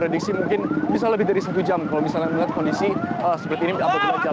di sana atau gimana